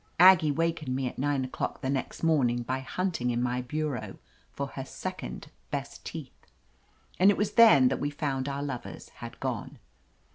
Aggie wakened me at nine o'clock the next morning by hunting in my bureau for her sec ond best teeth, and it was then that we found our lovers had gone.